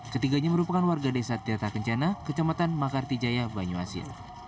ketiganya merupakan warga desa tiatakencana kecematan makartijaya banyuasin